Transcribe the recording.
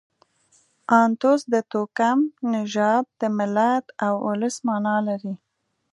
انتوس د توکم، نژاد، د ملت او اولس مانا لري.